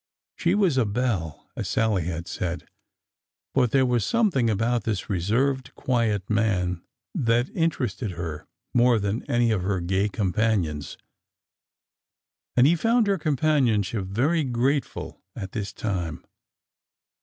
She was a belle, as Sallie had said ; but there was some thing about this reserved, quiet man that interested her more than any of her gay companions. And he found her companionship very grateful at this time.